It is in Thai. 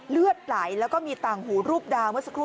เลือดไหลแล้วก็มีต่างหูรูปดาวเมื่อสักครู่